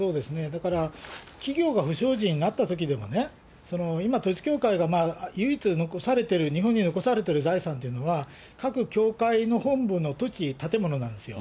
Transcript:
だから、企業が不祥事になったときでもね、今、統一教会が唯一残されている、日本に残されている財産というのは、各教会の本部の土地建物なんですよ。